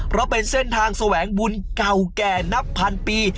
เพราะเป็นเส้นทางแสวงบุญเก่าแก่นับพันปี